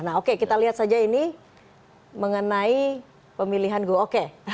nah oke kita lihat saja ini mengenai pemilihan gue oke